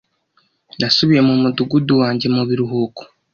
nasubiye mu mudugudu wanjye mu biruhuko